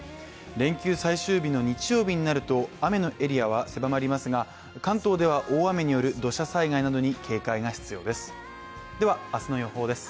連休最終日の日曜日になると雨のエリアは狭まりますが関東では大雨による土砂災害などに警戒が必要です。